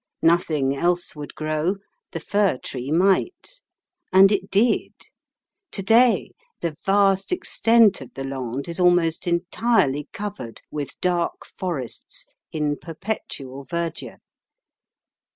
Nothing else would grow, the fir tree might. And it did. To day the vast extent of the Landes is almost entirely covered with dark forests in perpetual verdure.